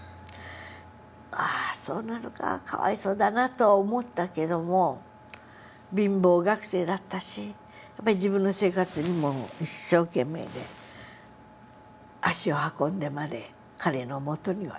「そうなのかかわいそうだな」と思ったけども貧乏学生だったし自分の生活に一生懸命で足を運んでまで彼のもとには行かなかった。